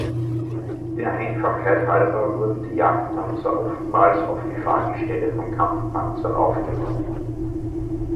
Der Einfachheit halber wurden die Jagdpanzer oftmals auf die Fahrgestelle von Kampfpanzern aufgebaut.